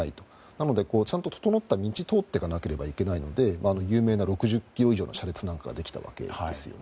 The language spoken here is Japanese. なので、整った道を通っていかないといけないので有名な６０ｋｍ以上の車列ができたわけです。